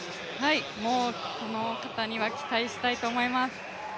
この方には期待したいと思います。